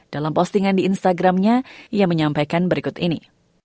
dalam postingan di instagramnya ia menyampaikan berikut ini